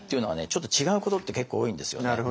ちょっと違うことって結構多いんですよね。